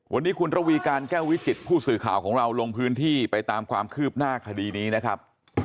วันนี้คุณระวีการแก้ววิจิตผู้สื่อข่าวของเราลงพื้นที่ไปตามความคืบหน้าคดีนี้นะครับ